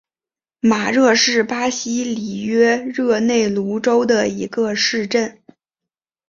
马热是巴西里约热内卢州的一个市镇。